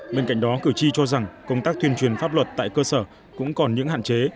bên cạnh đó cử tri cho rằng công tác tuyên truyền pháp luật tại cơ sở cũng còn những hạn chế